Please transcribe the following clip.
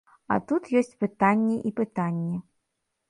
А тут ёсць пытанні і пытанні.